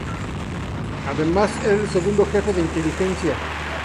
Además era el Segundo Jefe de Inteligencia.